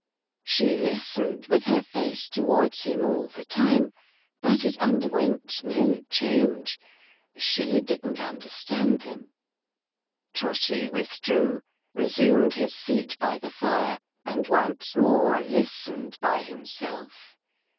She listened, with her face towards him all the time. But it underwent no change. She didn't understand them. Trotty withdrew, resumed his seat by the fire, and once more listened by himself.